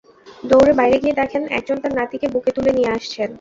দৌড়ে বাইরে গিয়ে দেখেন একজন তাঁর নাতিকে বুকে তুলে নিয়ে আসছেন।